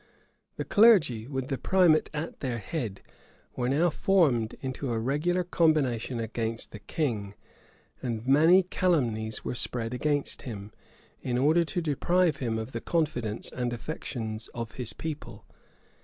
The clergy, with the primate at their head, were now formed into a regular combination against the king; and many calumnies were spread against him, in order to deprive him of the confidence and affections of his people.